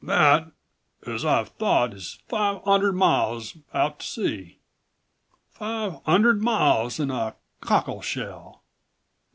"That, as I 'ave thought, is five 'undred miles hout to sea. Five 'undred miles in a cockleshell.